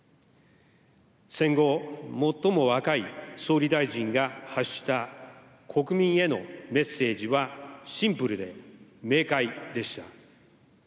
戦後最も若い総理大臣が発した国民へのメッセージはシンプルで明快でした。